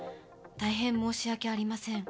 大変申し訳ありません。